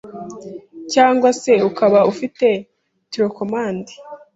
cyangwa se ukaba ufite telecommande